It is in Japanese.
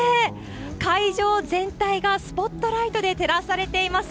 会場全体がスポットライトで照らされています。